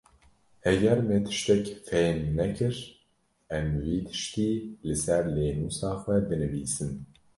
Heger me tiştek fêhm nekir, em wî tiştî li ser lênûsa xwe binivîsin.